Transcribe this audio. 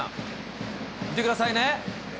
見てくださいね。